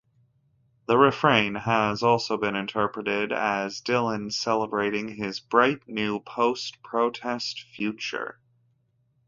The refrain has also been interpreted as Dylan celebrating his bright, new post-protest future.